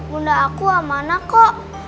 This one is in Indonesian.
bunda aku amanah kok